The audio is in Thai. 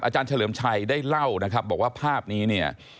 เฉลิมชัยได้เล่านะครับบอกว่าภาพนี้เนี่ย